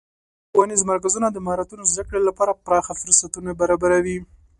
ښوونیز مرکزونه د مهارتونو زدهکړې لپاره پراخه فرصتونه برابروي.